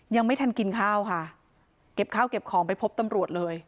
ยังไม่ทันกินข้าวค่ะเก็บข้าวเก็บของไปพบตำรวจเลย